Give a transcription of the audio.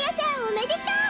おめでとう！